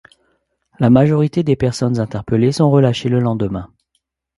La majorité des personnes interpelées sont relâchées le lendemain.